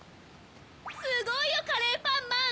すごいよカレーパンマン！